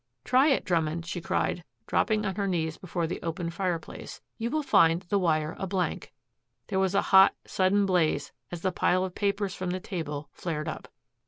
"Try it, Drummond," she cried, dropping on her knees before the open fireplace. "You will find the wire a blank." There was a hot, sudden blaze as the pile of papers from the table flared up.